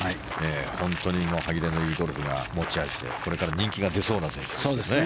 本当に歯切れのいいゴルフが持ち味でこれから人気が出そうな選手ですね。